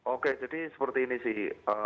oke jadi seperti ini sih